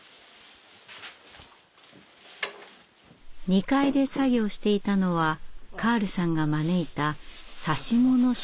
２階で作業していたのはカールさんが招いた指物職人。